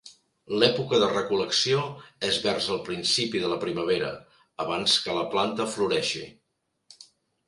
L'època de recol·lecció és vers el principi de la primavera, abans que la planta floreixi.